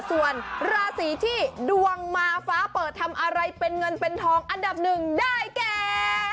ส่วนราศีที่ดวงมาฟ้าเปิดทำอะไรเป็นเงินเป็นทองอันดับหนึ่งได้แก่